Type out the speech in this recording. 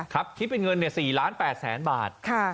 ครับคิดเป็นเงิน๔๘ล้านบาท